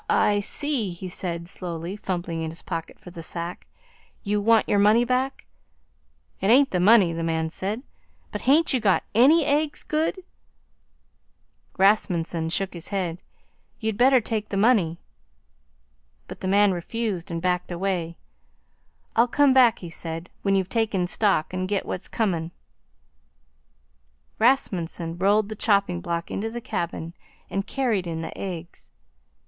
"I see," he said slowly, fumbling in his pocket for the sack. "You want your money back." "It ain't the money," the man said, "but hain't you got any eggs good?" Rasmunsen shook his head. "You'd better take the money." But the man refused and backed away. "I'll come back," he said, "when you've taken stock, and get what's comin'." Rasmunsen rolled the chopping block into the cabin and carried in the eggs.